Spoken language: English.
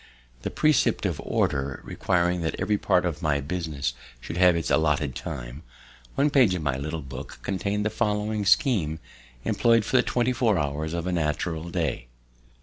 The precept of Order requiring that every part of my business should have its allotted time, one page in my little book contain'd the following scheme of employment for the twenty four hours of a natural day.